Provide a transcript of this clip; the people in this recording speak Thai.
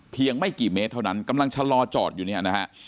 ไม่กี่เมตรเท่านั้นกำลังชะลอจอดอยู่เนี่ยนะฮะ